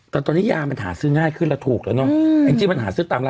แต่ตอนนี้ยานะหาซื้อง่ายขึ้นละถูกแล้วเนาะ